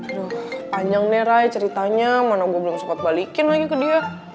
aduh panjang nih ray ceritanya mana gue belum sempat balikin lagi ke dia